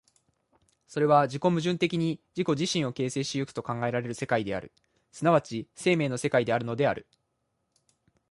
それは自己矛盾的に自己自身を形成し行くと考えられる世界である、即ち生命の世界であるのである。